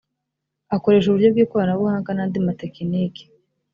akoresha uburyo bw’ikoranabuhanga n’andi matekiniki